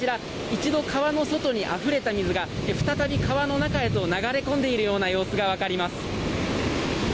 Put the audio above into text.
一度、川の外にあふれた水が再び川の中へと流れ込んでいるような様子が分かります。